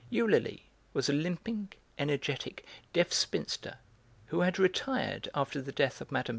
Eulalie was a limping, energetic, deaf spinster who had 'retired' after the death of Mme.